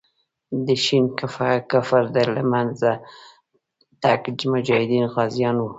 د شین کفر د له منځه تګ مجاهدین غازیان وو.